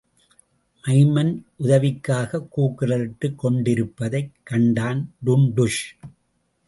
Maiman உதவிக்காகக் கூக்குரலிட்டுக் கொண்டிருப்பதைக் கண்டான் டுன்டுஷ்.